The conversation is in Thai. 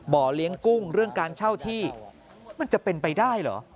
เลี้ยงกุ้งเรื่องการเช่าที่มันจะเป็นไปได้เหรอ